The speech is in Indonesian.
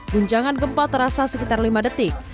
guncangan gempa terasa sekitar lima detik